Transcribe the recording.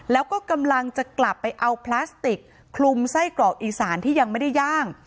แล้วก็กำลังจะกลับไปเอาพลาสติกคลุมไส้กรอกอีสานที่ยังไม่ได้ย่าง